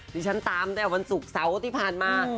ดิฉันตามแต่วันศุกร์เศร้าอุติภัณฑ์มา